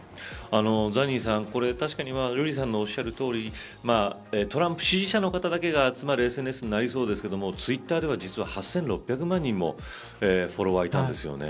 ザニーさん、これ確かに瑠麗さんのおっしゃるとおりトランプ支持者の方だけが集まるＳＮＳになりそうですけどツイッターでは実は８６００万人もフォロワーがいたんですよね。